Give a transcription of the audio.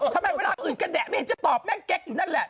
ทำไมตอบแม่งเข็กอยู่นะแหละ